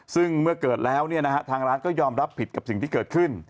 ซึ่งเมื่อเกิดแล้วทางร้านก็ยอมรับผิดกับสิ่งที่เกิดขึ้น